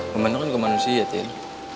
pembantu kan kemanusia tin